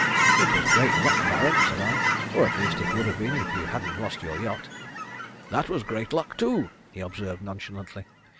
"It was great luck, Baron," said I. "Or at least it would have been if you hadn't lost your yacht." "That was great luck too," he observed nonchalantly.